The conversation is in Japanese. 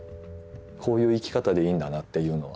こういう生き方でいいんだなっていうのは。